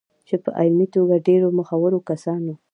چې په علمي توګه ډېرو مخورو کسانو